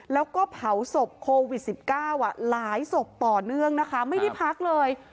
แล้วก็เผาศพโควิด๑๙หลายศพต่อเนื่องนะคะไม่ได้พักเลย